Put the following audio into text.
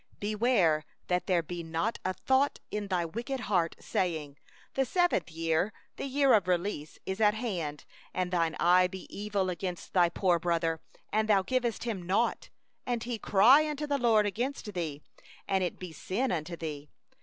9Beware that there be not a base thought in thy heart, saying: 'The seventh year, the year of release, is at hand'; and thine eye be evil against thy needy brother, and thou give him nought; and he cry unto the LORD against thee, and it be sin in thee.